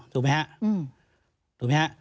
ถูกไหมครับ